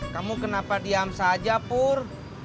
kamu kenapa diam saja pur